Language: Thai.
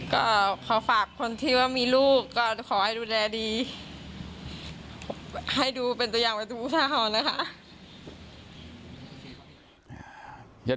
ก็ขอฝากคนที่ว่ามีลูกก็ขอให้ดูแลดีให้ดูเป็นตัวอย่างเป็นอุทาหรณ์นะคะ